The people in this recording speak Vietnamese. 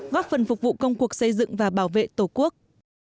góp phần phục vụ công cuộc xây dựng và bảo vệ tổ quốc